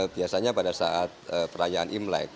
biasanya pada saat perayaan imlek